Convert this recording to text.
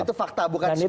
dan itu fakta bukan spin ya